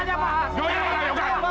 jangan bertanya pak